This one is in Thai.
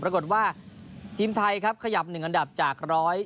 ปรากฏว่าทีมไทยครับขยับ๑อันดับจาก๑๐